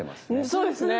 そうですね。